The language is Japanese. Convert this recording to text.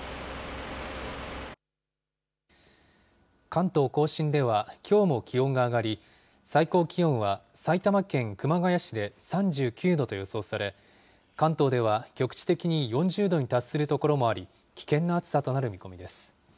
関東甲信では、きょうも気温が上がり、最高気温は埼玉県熊谷市で３９度と予想され、関東では局地的に４０度に達する所もあり、危険な暑さとなる見込みです。